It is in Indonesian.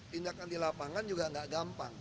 tindakan di lapangan juga nggak gampang